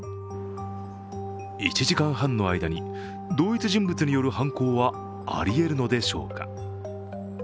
１時間半の間に同一人物による犯行はありえるのでしょうか。